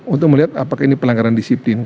untuk melihat apakah ini pelanggaran disiplin